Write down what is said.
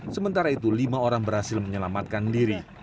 sementara itu lima orang berhasil menyelamatkan diri